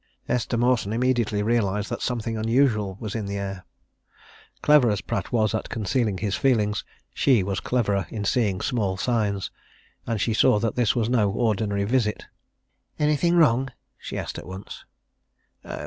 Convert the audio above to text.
Esther Mawson immediately realized that something unusual was in the air. Clever as Pratt was at concealing his feelings, she was cleverer in seeing small signs, and she saw that this was no ordinary visit. "Anything wrong?" she asked at once.